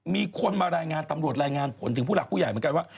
มีคนมารายงานตำรวจรายงานผลถึงผู้หลักผู้ใหญ่เหมือนกันว่า